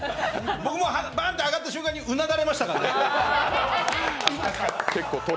僕、バーンと上がった瞬間にうなだれましたからね。